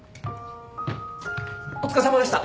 お疲れさまでした。